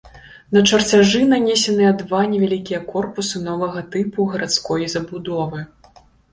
На чарцяжы нанесеныя два невялікія корпусы новага тыпу гарадской забудовы.